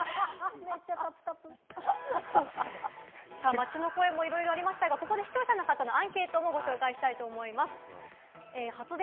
街の声もいろいろありましたが、ここで視聴者の方のアンケートもご紹介します。